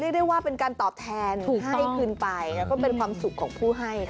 เรียกได้ว่าเป็นการตอบแทนให้คุณไปแล้วก็เป็นความสุขของผู้ให้